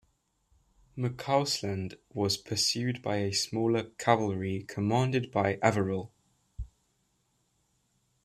McCausland was pursued by a smaller cavalry commanded by Averell.